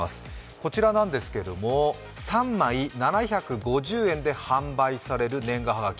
こちらなんですけども、３枚７５０円で販売される年賀はがき。